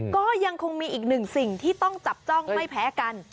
ก็ยังคงมีอีกหนึ่งสิ่งที่ต้องจับจ้องไม่แพ้กัน